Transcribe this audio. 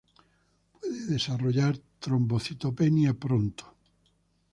Puede desarrollar trombocitopenia pronto.